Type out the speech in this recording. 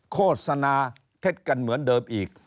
โฆษณาเท็จกันเหมือนเดิมอีก